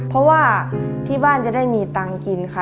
เพราะว่าที่บ้านจะได้มีตังค์กินค่ะ